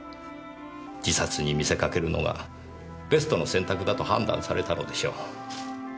自殺に見せかけるのがベストの選択だと判断されたのでしょう。